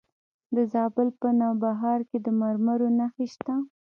د زابل په نوبهار کې د مرمرو نښې شته.